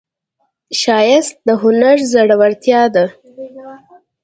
ښایست د هنر زړورتیا ده